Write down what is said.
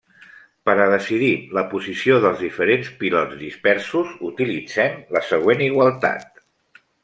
Per a decidir la posició dels diferents pilots dispersos utilitzem la següent igualtat.